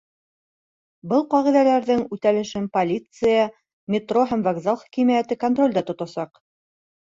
Был ҡағиҙәләрҙең үтәлешен полиция, метро һәм вокзал хакимиәте контролдә тотасаҡ.